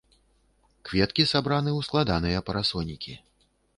Кветкі сабраны ў складаныя парасонікі.